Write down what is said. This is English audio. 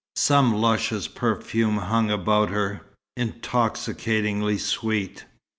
Some luscious perfume hung about her, intoxicatingly sweet.